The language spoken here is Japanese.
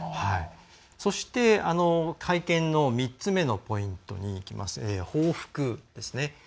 そして、会見の３つ目のポイント報復ですね。